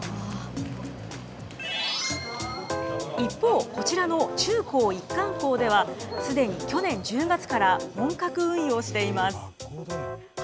一方、こちらの中高一貫校では、すでに去年１０月から、本格運用しています。